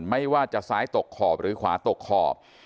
ไม่ว่าจะซ้ายตกขอบหรือขวาตกขอบ